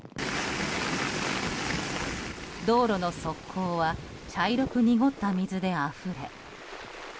道路の側溝は茶色く濁った水であふれ。